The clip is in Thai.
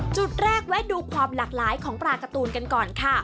จุดแรกแวะดูความหลากหลายของปลาการ์ตูนกันก่อนค่ะ